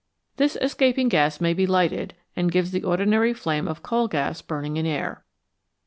This escaping gas may be lighted, and gives the ordinary flame of coal gas burning in air.